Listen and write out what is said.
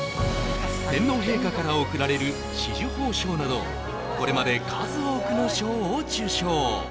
天皇陛下から贈られる紫綬褒章などこれまで数多くの賞を受賞